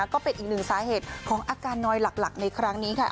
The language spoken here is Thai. ก็เป็นอีกหนึ่งสาเหตุของอาการนอยหลักในครั้งนี้ค่ะ